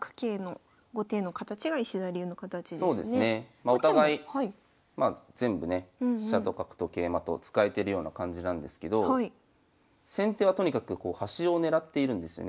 まお互い全部ね飛車と角と桂馬と使えてるような感じなんですけど先手はとにかく端をねらっているんですよね。